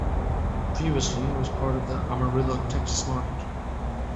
Previously it was part of the Amarillo, Texas market.